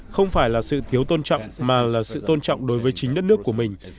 không phải là sự thiếu tôn trọng mà là sự tôn trọng đối với chính đất nước của mình